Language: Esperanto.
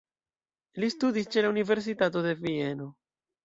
Li studis ĉe la Universitato de Vieno.